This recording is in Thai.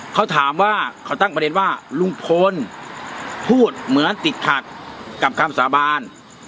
เขาถามว่าเขาตั้งประเด็นว่าลุงพลพูดเหมือนติดขัดกับคำสาบาน